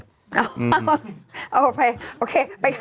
เออเอาไปโอเคไปค่ะ